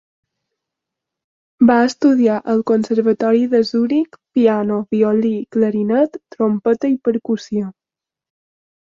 Va estudiar al Conservatori de Zuric piano, violí, clarinet, trompeta i percussió.